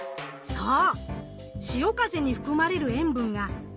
そう。